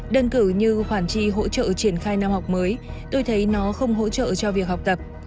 đơn cử như khoản chi hỗ trợ triển khai năm học mới tôi thấy nó không hỗ trợ cho việc học tập